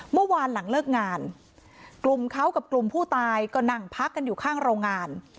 เมื่อวานหลังเลิกงานกลุ่มเขากับกลุ่มผู้ตายก็นั่งพักกันอยู่ข้างโรงงาน